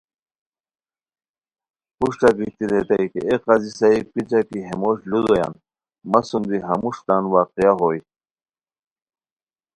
پروشٹہ گیتی ریتائے کی اے قاضی صاحب کیچہ کی ہے موش لو دویان مہ سوم دی ہموݰ تان واقعہ ہوئے